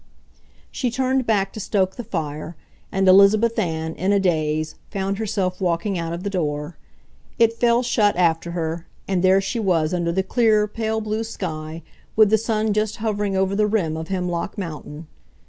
She turned back to stoke the fire, and Elizabeth Ann, in a daze, found herself walking out of the door. It fell shut after her, and there she was under the clear, pale blue sky, with the sun just hovering over the rim of Hemlock Mountain.